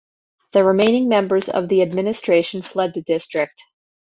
The remaining members of the Administration fled the district.